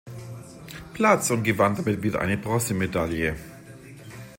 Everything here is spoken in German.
Platz und gewann damit wieder eine Bronzemedaille.